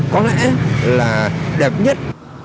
có lẽ là đẹp nhất